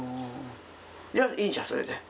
じゃあいいじゃんそれで。